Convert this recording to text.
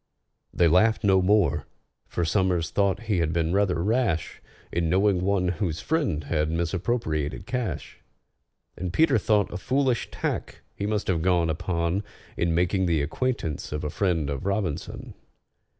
They laughed no more, for SOMERS thought he had been rather rash In knowing one whose friend had misappropriated cash; And PETER thought a foolish tack he must have gone upon In making the acquaintance of a friend of ROBINSON.